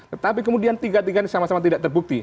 tetapi kemudian tiga tiga ini sama sama tidak terbukti